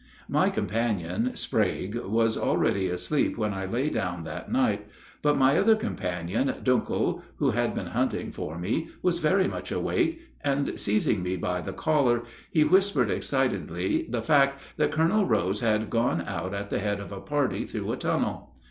My companion, Sprague, was already asleep when I lay down that night; but my other companion, Duenkel, who had been hunting for me, was very much awake, and, seizing me by the collar, he whispered excitedly the fact that Colonel Rose had gone out at the head of a party through a tunnel.